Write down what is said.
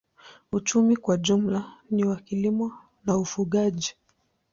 Uchumi kwa jumla ni wa kilimo na ufugaji.